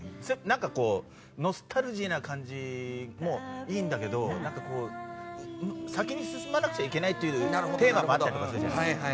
ノスタルジーな感じもいいんだけど先に進まなくちゃいけないというのもあったじゃないですか。